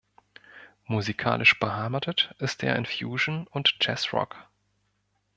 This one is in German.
Musikalisch beheimatet ist er in Fusion und Jazzrock.